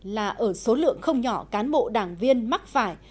là ở số lượng không nhỏ cán bộ đảng viên mắc phải